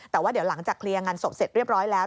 แต่ว่าเดี๋ยวหลังจากเคลียร์งานศพเสร็จเรียบร้อยแล้ว